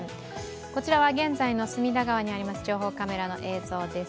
こちらは現在の隅田川にあります